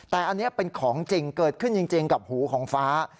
แต่อันนี้เป็นของจริงเกิดขึ้นจริงกับหูของฟ้า